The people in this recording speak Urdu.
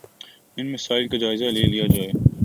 ان مسائل کا جائزہ لے لیا جائے